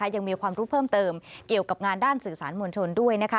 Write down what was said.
ยังมีความรู้เพิ่มเติมเกี่ยวกับงานด้านสื่อสารมวลชนด้วย